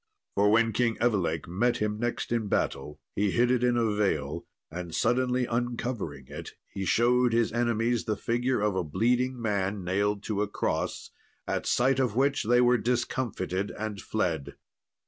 For when King Evelake met him next in battle, he hid it in a veil, and suddenly uncovering it, he showed his enemies the figure of a bleeding man nailed to a cross, at sight of which they were discomfited and fled.